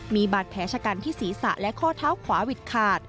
มีบาดแผลชะกันที่ศีรษะและข้อเท้าขวาวิดขาด